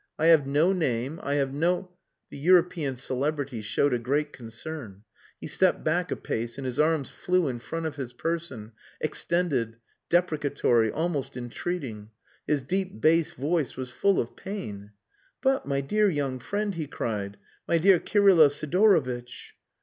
I have no name, I have no...." The European celebrity showed a great concern. He stepped back a pace and his arms flew in front of his person, extended, deprecatory, almost entreating. His deep bass voice was full of pain. "But, my dear young friend!" he cried. "My dear Kirylo Sidorovitch...."